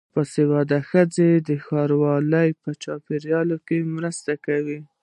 باسواده ښځې د ښاروالۍ په چارو کې مرسته کوي.